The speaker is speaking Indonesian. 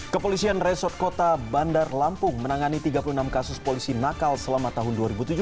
kepolisian resort kota bandar lampung menangani tiga puluh enam kasus polisi nakal selama tahun dua ribu tujuh belas